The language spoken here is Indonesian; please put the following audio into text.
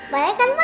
boleh kan ma